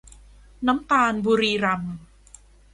น้ำตาลบุรีรัมย์